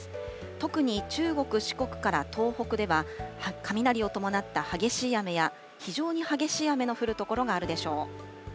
特に中国、四国から東北では、雷を伴った激しい雨や、非常に激しい雨の降る所があるでしょう。